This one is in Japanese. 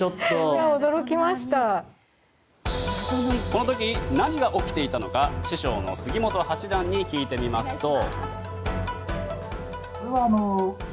この時何が起きていたのか師匠の杉本八段に聞いてみますと。